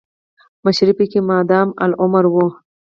مشري پکې مادام العمر وه.